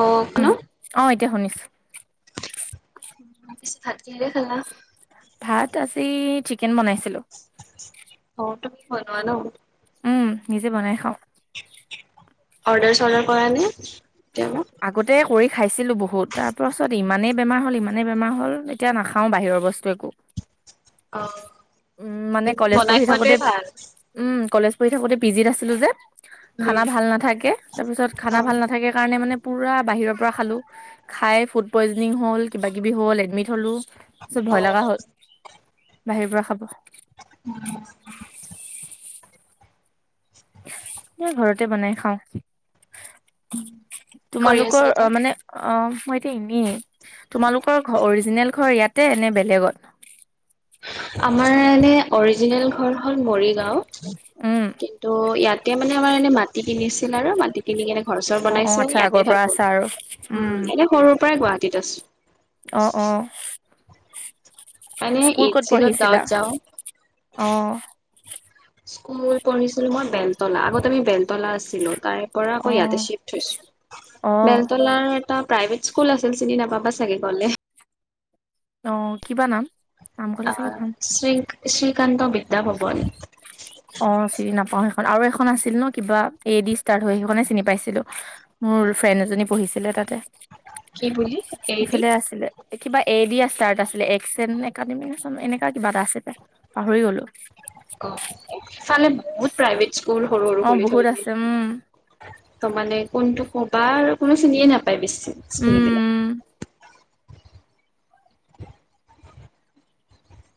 অ ক ন উম, [inaudible] অ', এতিয়া শুনিছোঁ। ত পিছ ভাত কিহে খালা। ভাত আজি চিকেন বনাইছিলোঁ। শনোৱা ন। উম! নিজে বনাই খাওঁক। অৰ্ডাৰ চৰ্ডাৰ কৰা নে? আগতে কৰি খাইছিলো বহুত তাৰ পাছত ইমানেই। বেমাৰ হ'ল ইমানেই বেমাৰ হ'ল এতিয়া নাখাওঁ বাহিৰৰ বস্তু একো। অ উম মানে নিজে কলেজ বনাই পঢ়ি খোৱাটোৱে থাকোতে, ভাল উম কলেজ--্ থাকোতে পিজিত আছিলোঁ যে, উম খানা ভাল নাথাকে তাৰপিছত খানা অ ভাল নাথাকে কাৰণে মানে। পুৰা বাহিৰৰ পৰা খালো খাই ফুড পইজিং হ'ল কিবা কিবি হ'ল এডমিট হ'লো। তাৰপিছত অ ভয় লগা হ'ল, বাহিৰ পৰা খাব। উম! [unintelligible] এই ঘৰতে বনাই খাওঁ। কি কৰি আছা তোমালোকৰ অ এতিয়া মানে অ মই এতিয়া এনেই তোমালোকৰ ঘৰ অৰিজিনেল ঘৰ ইয়াতে নে বেলেগত। আমাৰ এনে অৰিজিনেল ঘৰ হ'ল মৰিগাঁও, উম কিন্তু ইয়াত। এতিয়া মানে আমাৰ এনে মাটি কিনিছিল আৰু মাটি কিনি কেনে। ঘৰ চৰ অ অ বনাইছে আচ্ছা আগৰ ইয়াতে পৰা থাকো আছা আৰু উম এনে সৰুৰ পৰাই গুৱাহাটীত আছোঁ। অহ অহ--্ এনেই ইছিতত গাঁৱত যাওঁ। অ স্কুল পঢ়িছিলো মই বেলতলা আগত আমি বেলতলা আছিলোঁ। তাৰে পৰা আকৌ অ ইয়াতে চিফ্ট অ হৈছো বেলতলাৰ এটা। প্ৰাইভেট স্কুল আছিল চিনি নাপাবা চাগে কলে। অ কিবা নাম। নাম ক'লে অ চাগে পাম শ্ৰী শ্ৰীকান্ত। ভৱন অ চিনি নাপাওঁ। আৰু এখন আছিল ন কিবা এ দি ষ্টাৰ্ট হয় হেইখনে চিনি পাইছিলোঁ মোৰ ফ্ৰেণ্ড এজনী। পঢ়িছিলে তাতে কি বুলি এ ডি সিফালে আছিলে। কিবা এ দিয়া ষ্টাৰ্ট আছিলে এক্স এন একাডেমি ন চ এনেকুৱা কিবা এটা আছিলে পাহৰি গলো। অফালে বহুত প্ৰাইভেট স্কুল সৰু সৰু অ খুলি বহুত থৈ দিয়ে। আছে উম ত মানে কোনটো কবা কোনো চিনিয়ে নাপায় বেছি স্কুল উম উম বিলাক। [unintelligible]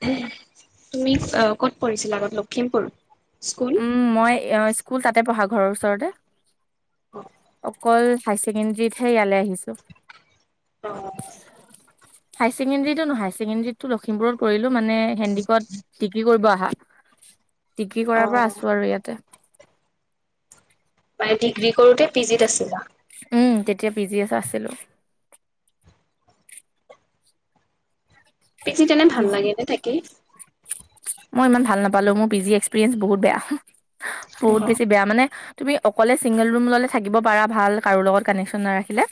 তুমি ক'ত পৰিছিলা আগত লখিমপুৰ। স্কুল উম মই স্কুল তাতে পঢ়া ঘৰৰ ওচৰতে। অকল হাই ছেকেণ্ডৰীতহে ইয়ালৈ আহিছো। অহ। হাই ছেকেণ্ডেৰীতটো নহয় হাই ছেকেণ্ডেীতটো লখিমপুৰত কৰিলো মানে হেন্দডিকত ডিগ্ৰী কৰিব আহ। ডিগ্ৰী অ কৰাৰ পৰা আছো আৰু ইয়াতে। মানে ডিগ্ৰী কৰোতে পি জিত আছিলা। উম তেতিয়া পি জি এছ আছিলো। পি জি ত এনে পি ভাল জি লাগে নে থাকি। মই ইমান ভাল নাপালো মোৰ পি জি এক্সপিৰিয়েঞ্চ বহুত বেয়া উম বহুত বেছি বেয়া মানে। তুমি অকলে ছিংগল ৰুম ল'লে থাকিব পাৰা ভাল কাৰো লগত কানেকশ্যন নাৰাখিলে।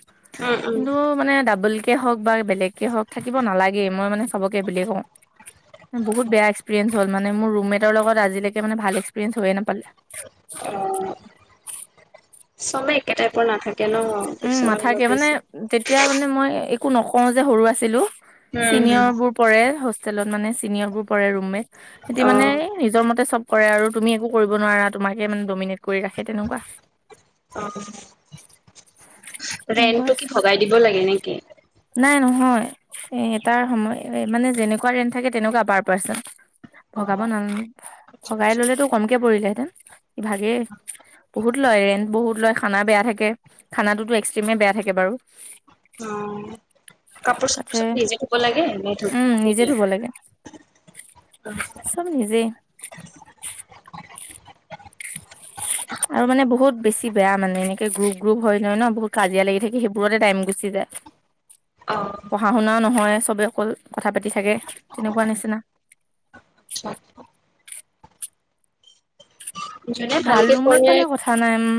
উম কিন্তু মানে ডাবল কে হওক। বা বেলেগকে হওক থাকিব নালাগে মই মানে চবকে সেই বুলিয়ে কওঁ বহুত বেয়া্। হল মানে মোৰ ৰুমমেটৰ লগত আজিলেকে মানে ভাল এক্সপেৰিয়েন্স হৈয়ে নাপালে। অ ছবে একেটাইপৰ নাথাকে। ন উম কিছুমান মাথাকে অলপ মানে বেছি তেতিয়া মানে মই। একো নকও যে সৰু আছিলো উম হম ছিনিয়ৰ বোৰ পৰে হোষ্টেলত মানে চিনিয়ৰ বোৰ পৰে ৰুমমেট। হেতি অ মানে নিজৰ মতে চব। কৰে আৰু তুমি একো কৰিব নোৱাৰা তোমাকে মানে ডমিনেট কৰি ৰাখে তেনেকুৱা। অ সেনেকুৱা ৰেন্টটো কি আছে ভগাই দিব লাগে নেকি? নাই নহয় এ এটাৰ সময় মানে যেনেকুৱা ৰেণ্ট থাকে তেনেকুৱা পাৰ পাৰ্চন অ ভগাব নালাগে ভগাই ললেতো কমকে পৰিলেহেঁতেন ইভাগে বহুত লয় ৰেন্ট বহুত লয় খানা বেয়া থাকে খানটোতো এক্সট্ৰিমে বেয়া থাকে বাৰু অ কাপোৰ চাপোৰ তাতে চব নিজে ধুব লাগে নে উম ধুই নিজে দিয়ে ধুব লাগে চব নিজেই [unintelligible] আৰু মানে বহুত বেছি বেয়া মানে এনেকে গ্ৰুপ গ্ৰুপ হৈ লয় ন বহুত কাজিয়া লাগি থাকে সেইবোৰতে টাইম গুচি যায় [unintelligible] পঢ়া শুনা নহয় চবে অকল কথা পাতি থাকে তেনেকুৱা নিচিনা [unintelligible] মানে ভাল ভালকে ৰুমমেট পঢ়ে পালে কথা নাই উম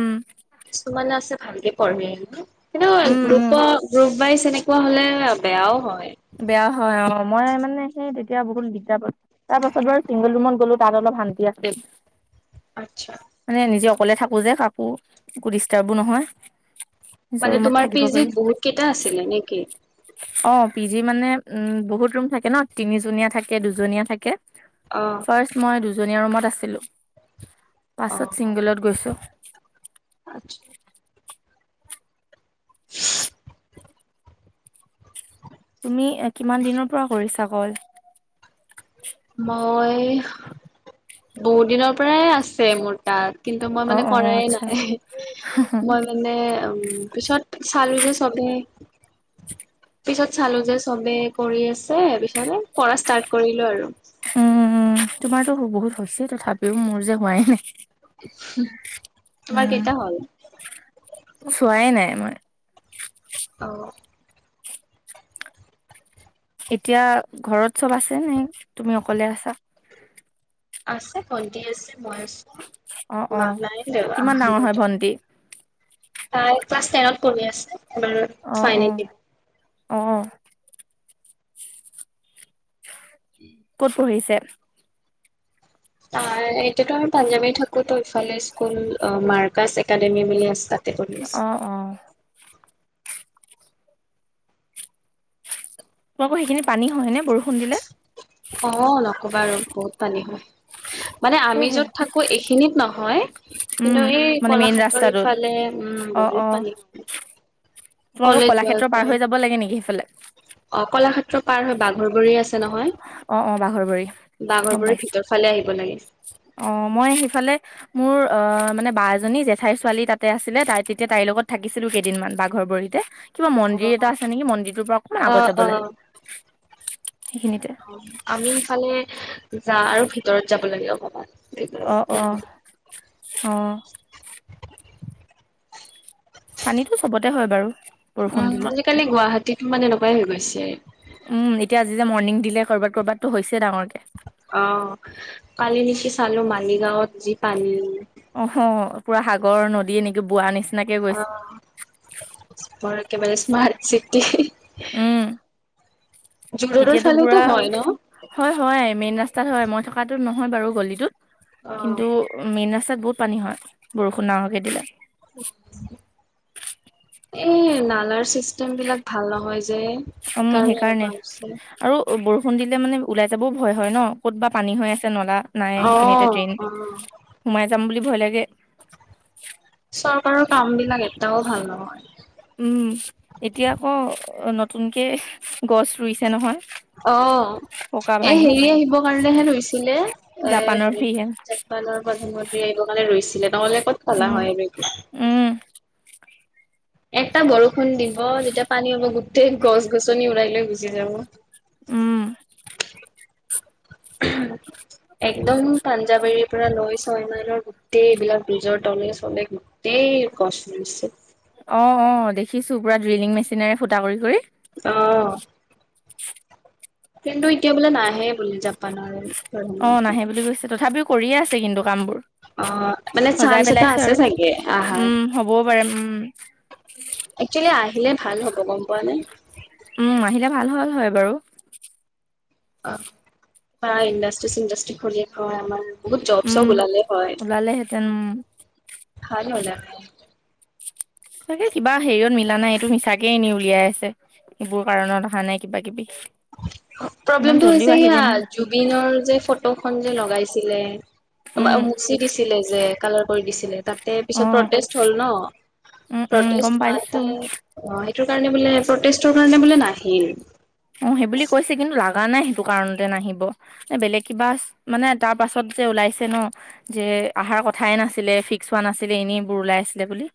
কিছুমান আছে ভালকে পঢ়ে কিন্তু উম উম গ্ৰুপৰ গ্ৰুপ ৱাইজ এনেকুৱা হলে বেয়াও হয় বেয়া হয় অ মই মানে সেই তেতিয়া বহুত দিগদাৰ পাইছোঁ তাৰ পাছত বাৰু চিংগল ৰুমত গ'লো তাত অলপ ভন্টি আছিল [unintelligible] মানে নিজে অকলে থাকো যে কাকো একো ডিষ্টাৰ্বো নহয় নিজৰ মানে ৰুমত তোমাৰ থাকিব পি পাৰি। জিত বহুত কেইটা আছিলে নেকি অ পি জি মানে উম বহুত ৰুম থাকে ন তিনিজনীয়া থাকে দুজনীয়া থাকে অ ফষ্ট মই দু জনীয়া ৰুমত আছিলো অ পাছত ছিংগলত গৈছো আচ্ছা তুমি কিমান দিনৰ পৰা কৰিছা কল মই বহুত দিনৰ পৰাই আছে মোৰ তাত কিন্তু মই অ মানে অ কৰাই আচ্ছা নাই মই মানে উ পিছত চালো যে চবে পিছত চালো যে চবে কৰি আছ পিছে বিচনাতে কৰা ষ্টাৰ্ট কৰিলো আৰু উম তোমাৰতো বহুত হৈছে তথাপিও মোৰ যে হোৱাই নাই উম তোমাৰ কেইটা হ'ল চোৱাই নাই মই অ এতিয়া ঘৰত চব আছে নে তুমি অকলে আছা আছে ভণ্টি আছে মই আছো অ অ মা নাই দে কি- কিমান আহ ডাঙৰ হয় দেউতা ভন্টি তাই ক্লাছ টেনত পঢ়ূ আছে‌ এবাৰ অ অ ফাইনেল দিব অ ক'ত পঢ়িছে এতিয়াতো আমি পাঞ্জামী থাকো তো ইফালে স্কুল মাৰ্কাচ একাডেমি বুলি আছে পঢ়ি আছে অ অ তোমোকৰ সেইখিনি পানী হয় নে বৰষুণ দিলে কবা আৰু বহুত পানী হয় মানে আমি সেয়েহে য'ত থাকো এইখিনিত নহয় কিন্তু উম এই মানে মেইন কলাঘাটৰ ৰাস্তাটোত ইফালে উম বহুত পানী হ তোমোলোকৰ কলাক্ষেত্ৰৰ পাৰ হৈ যাব সেইফালে অ কলাক্ষেত্ৰ পাৰ হয় বাঘৰ গৰি আছে নহয় অ অ বাঘৰবোৱাৰী গম বাঘৰবৰী পাইছো ভিতৰ ফালে আহিব লাগে অ মই সেইফালে মোৰ অ মানে বা এজনী জেঠাইৰ ছোৱালী তাতে আছিলে তাই তেতিয়া তাইৰ লগত থাকিছিলো কেইদিনমান বাঘৰ বৰিতে কিবা অ মন্দিৰ এটা আছে নেকি মন্দিৰটোৰ পৰা অকণমান অ আগত যাব অ লাগে সেইখিনিতে আমি ইফালে যা আৰু ভিতৰত যাব লাগে অকমান এ [inaudible] অ' অ' অ' পানীটো চবতে হয় বাৰু। বৰষুণ অ দিলে। আজিকালি গুৱাহাটীত মানে এনেকুৱাই হৈ গৈছে। উম, এতিয়া আজি যে মৰ্ণিং দিলে কৰবাত কৰবাত তো হৈছে ডাঙৰকে। কি চালো মালিগাঁৱত যি পানী অ পুৰা সাগৰ নদী এনেকে বোৱা নিচিনা। অৰ একেবাৰে স্মাৰ্ট চিটি। উম, জোৰডৰ এতিয়াতো ফালেওতো বুঢ়া হয় ন হয় হয় মেইন ৰাস তাত হয় মই থকাটো নহয় বাৰু গলিটোত, অ কিন্তু মেইন ৰাস্তাত বহুত পানী হয়, বৰষুণ নাহকৈ দিলে। এই নালাৰ চি চিষ্টেমবিলাক ভাল নহয় যে, সেইকাৰণে এনেকোৱা হৈছে। খুন্দিলে মানে ওলাই যাবও ভয় হয় ন ক'ত বা পানী হৈ আছে নলা? নাই সেইখিনি এতিয়া অ', ট্ৰেইন অ', সোমাই যাম বুলি ভয় লাগে। চৰকাৰৰ কামবিলাক এটাও ভাল নহয়। উম, এতিয়া আকৌ নতুনকে গছ ৰুইছে নহয়? অ, পকা এ ভাঙি হেৰি আহিবৰ কাৰণেহে লৈছিলে এ জাপানৰ হেৰি ফিহে জাপানৰ প্ৰধানমন্ত্ৰীয়ে এইবঙালে ৰৈছিলে নগলে ক'ত খলা উম হয় এই [inaudible] উম এটা বৰষুণ দিব যেতিয়া পানী হ'ব গোটেই গছ গছনি উৰাই লৈ গুচি যাব। উম। একদম পাঞ্জাৱৰীৰ পৰা লৈ ছয় মাইলৰ গোটেই এইবিলাক বিজৰ তলে চলে গোটেই গছ ৰুইছে। অ অ দেখিছো পুৰা ড্ৰিলিং মেচিনেৰে ফুটা কৰি কৰি। অ', কিন্তু এতিয়া বোলে নাহে বুলি জাপানৰ। অ প্ৰধানমন্ত্ৰী। নাহে বুলি কৈছে তথাপিও কৰিয়ে আছে কিন্তু। কাম বোৰ অ', মানে সজাই চান্স এটা পেলাইছো আছে আৰু চাগে উম হ'বও পাৰে উম। একেলে আহিলে ভাল হ'ব গম পোৱা নাই। উম আহিলে ভাল হল হয় বাৰু। অ প্ৰাই ইণ্ডাষ্ট্ৰি -চিণ্ডাষ্ট্ৰি খুলি খাই আমাৰ। বহুত জব- উম চব ওলালে হয়, ওলালেহেঁতেন উম ভাল হলে। চাগে কিবা হেৰিয়ত মিলা নাই এইটো মিছাকে এনে উলিয়াই আছে। এইবোৰ কাৰণত অহা নাই কিবা কিবি। ইমান প্ৰব্লেমটো জল্দিও হৈছে আহিব ইয়া নোৱাৰে জুবিনৰ যে ফটোখন যে লগাইছিলে। উম মচি দিছিলে যে কালাৰ কৰি দিছিলে তাত। অ পিছত প্ৰটেষ্ট হ'ল ন উম উম গম প্ৰটেষ্ট পাইছো হোৱাতে অ। কাৰণে বোলে প্ৰটেষ্টৰ কাৰণে বোলে নাহিল। অ সেই বুলি কৈছে কিন্তু লাগা নাই স। টো কাৰনতে নাহিব এ বেলেক কিবা মানে তাৰ পাছত যে উলাইছো ন যে আহাৰ। কথাই নাছিলে ফিক্স হোৱা নাছিলে এনেইবোৰ ওলাই আছিলে বুলি।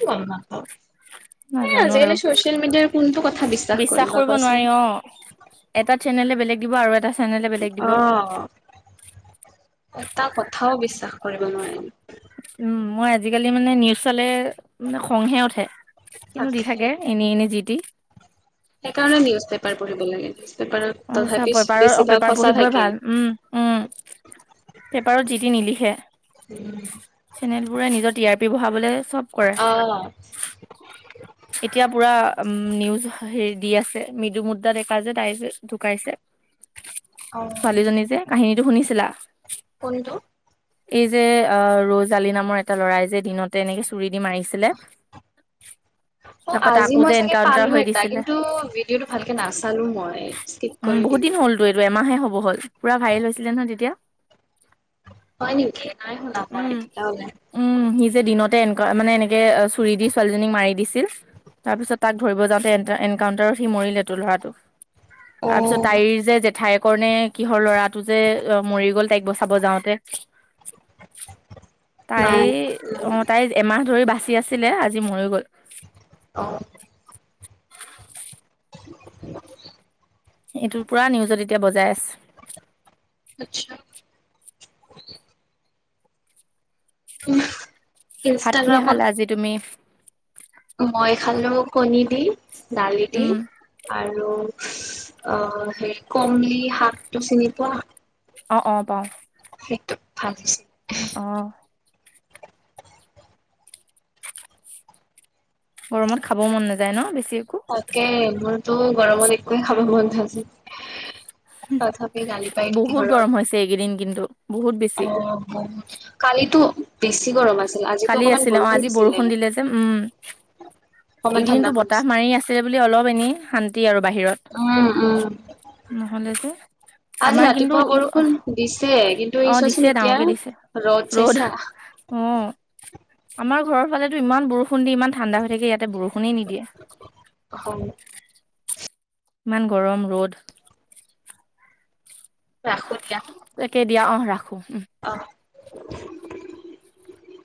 [unintelligible] হ নাজানো আৰু আজিকালি চচিয়েল মিডিয়াৰ কোনটো কথা বিশ্বাস কৰিম বা কৰিব কোৱাচোন। নোৱাৰি অ এটা চেনেলে বেলেগ দিব আৰু এটা চেনেলে বেলেগ দিব অ এটা কথাও বিশ্বাস কৰিব নোৱাৰিম। উম মই আজিকালি মানে নিউজ চালে খংহে উঠে কিন্তু দি তাকে থাকে এনে এনে যি টি। সেইকাৰণে নিউজ পেপাৰ পঢ়িব লাগে। পেপাৰত অ তথাপি পেপাৰ বেছিভাগ পেপাৰ সঁচা পঢ়িবই থাকে। ভাল উম উম। পেপাৰত জিট নিলিখে চেনেল বোৰে নিজৰ টি আৰ পি বঢ়াবলে। চব কৰে। অ। এতিয়া পুৰা নিউজ হেৰি দি আছে মৃদু মুদ্ৰা ডেকা যে তাই ঢুকাইছে। অ', ছোৱালীজনী যে কাহিনীটো শুনিছিলা? কোনটো? এই যে অ ৰজ আলি নামৰ এটা লৰাই যে দিনতে এনেকে চুৰি দি মাৰিছিলে। অ তাৰপা আজি তাকো মই যে চাগে এনকাউন্টাৰ পালো হৈ এটা দিছিলে। কিন্তু ভিডিঅ'টো ভালকে নাচালো মই স্কিপ উম, কৰি বহুত দিলো। দিন হলতো এইটো এমাহে হ'ব হ'ল পুৰা ভাইৰেল হৈছিলে নহয় তেতিয়া। হয় নিকি? নাই শুনা মই উম, তেতিয়াহলে। উম, সি যে দিনতে এনেুৱা মানে এনেকে চুৰি দি ছোৱালীজনীক মাৰি দিছিল। তাৰপিছত তাক ধৰিব যাওঁতে এনকাউণ্টাৰত সি মৰিলে তোৰ ল'ৰাটোক। তাৰপিছত অ', তাইৰ যে জেঠাই কৰণে কিহৰ ল'ৰাটো যে মৰি গ'ল তাইক বচাব যাওঁতে। তাই নাই অ তাই এমাহ ধৰি বাচি আছিলে আজি মৰি গল। অ। [unintelligible] এইটো পুৰা নিউজত এতিয়া বজাই আছ। আতছা। [inaudible] উম। ভাত খিহে খালা আজি তুমি। খাল কণী দি দালি দি উম, আৰু। অ হেৰি কমলি হাকটো চিনি পোৱা। অ অ পাও। সেইটো ভালছিল অ গৰমত খাবও মন নাযায় ন বেছি একো? তাকে মোৰতো গৰমত একোৱে খাব মন নয তথাপি গালি পাই থাকি বহুত গৰম ঘৰত হৈছে এইকেইদিন কিন্তু বহুত বেছি। অ বহত ক কালো বেছি গৰম আছে কালি আছিলে অ আজি বৰষুণ দিলে যে উম অকমান ঠাণ্ডা এইকেইদিনো বতাহ পৰিছে। মাৰি আছিল তে বুলি অলপ এনে শান্তি আৰু বাহিৰত উম, উম, নহলে যে আজি আমাৰ কিন্তু ৰাতিপুৱা বৰষুণ দিছে কিন্তু অ দিছে এছচোন এতিয়া ডাঙৰকে দিছে ৰ'জ ৰ'দ চছা [unintelligible] অ আমাৰ ঘৰৰ ফালেতো ইমান বৰষুণ দি ইমান ঠাণ্ডা হৈ থাকে ইয়াতে বৰষুণ বৰষুণে অ' নিদিয়ে। ইমান গৰম ৰ'দ। ৰাখো দিয়া তাকে দিয়া অ ৰাখো। অ